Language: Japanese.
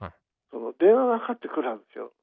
電話がかかってくるはずなんですよ。